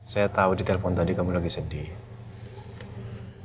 saya tau di telepon tadi kamu lagi sedih